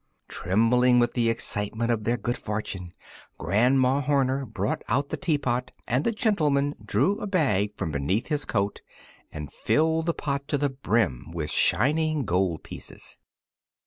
Trembling with the excitement of their good fortune, Grandma Horner brought out the teapot, and the gentleman drew a bag from beneath his coat and filled the pot to the brim with shining gold pieces.